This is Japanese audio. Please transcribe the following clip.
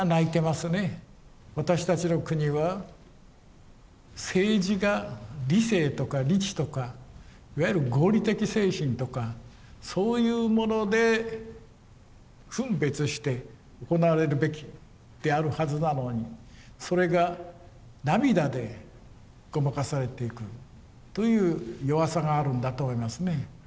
私たちの国は政治が理性とか理知とかいわゆる合理的精神とかそういうもので分別して行われるべきであるはずなのにそれが涙でごまかされていくという弱さがあるんだと思いますね。